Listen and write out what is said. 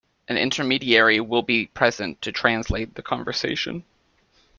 An intermediary will be present to translate the conversation.